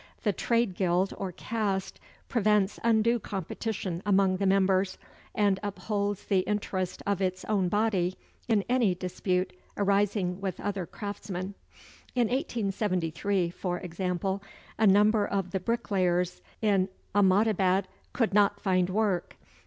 The trade guild or caste prevents undue competition among the members, and upholds the interest of its own body in any dispute arising with other craftsmen. In 1873, for example, a number of the bricklayers in Ahmadabad could not find work.